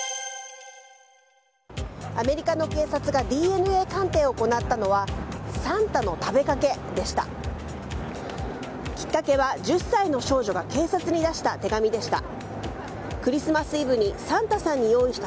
アメリカの警察がＤＮＡ鑑定を行ったのはサンタの食べかけでした。